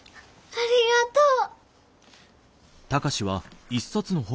ありがとう！